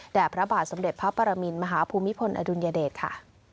พระบาทสมเด็จพระปรมินมหาภูมิพลอดุลยเดชค่ะ